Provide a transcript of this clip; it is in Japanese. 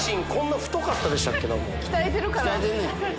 鍛えてんねん。